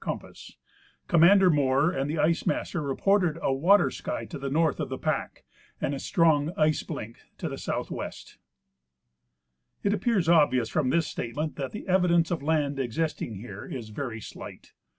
(compass), Commander Moore and the ice master reporting a water sky to the north of the pack, and a strong ice blink to the S. W." It appears obvious from this statement that the evidence of land existing here is very slight.